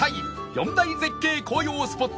四大絶景紅葉スポット